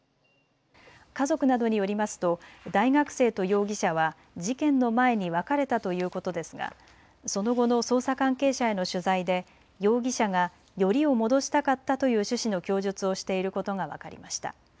家族などによりますと大学生と容疑者は事件の前に別れたということですがその後の捜査関係者への取材で容疑者がよりを戻したかったという趣旨の供述をしていることが分かりました。